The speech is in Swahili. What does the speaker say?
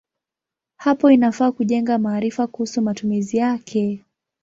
Hapo inafaa kujenga maarifa kuhusu matumizi yake.